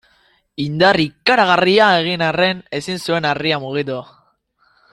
Indar ikaragarria egin arren ezin zuen harria mugitu.